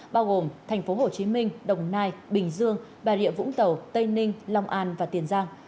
bao gồm tp hcm đồng nai bình dương bà rịa vũng tàu tây ninh long an và tiền giang